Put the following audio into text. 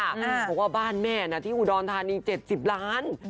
อันนี้เพราะว่าบ้านแม่ที่อู๋ดอนทานิง๗๐ล้าน